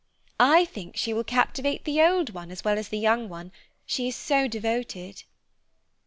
I think she will captivate the old one as well as the young one, she is so devoted."